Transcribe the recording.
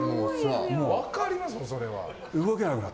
分かりますよ、それは。